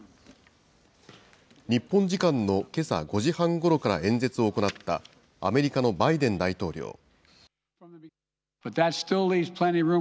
日本時間のけさ５時半ごろから演説を行ったアメリカのバイデン大統領。